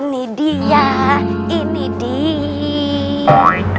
ini dia ini dia